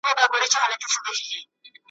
نه یوازي د دوی بله ډېوه مړه ده ,